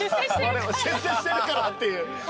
出世してるからっていう。